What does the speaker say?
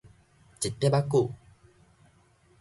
一霎仔久